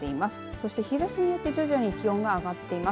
そして日ざしによって気温が徐々に上がっています。